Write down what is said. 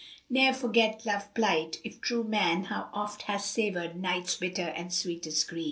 Ne'er forget Love plight, if true man; how oft * Hast savoured Nights' bitter and sweetest gree!